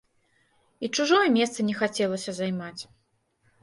І чужое месца не хацелася займаць.